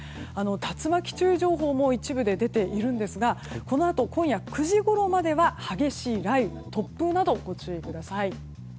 竜巻注意情報も一部で出ていますがこのあと、今夜９時ごろまでは激しい雷雨突風など、ご注意ください。